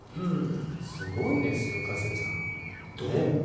すごいですよ、一茂さん。